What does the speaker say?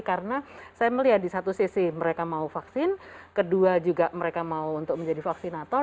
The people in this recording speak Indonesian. karena saya melihat di satu sisi mereka mau vaksin kedua juga mereka mau untuk menjadi vaksinator